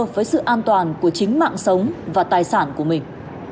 với sự an toàn của chính mạng sống và tài sản của mình